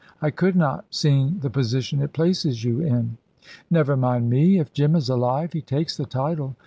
"I could not, seeing the position it places you in." "Never mind me. If Jim is alive, he takes the title.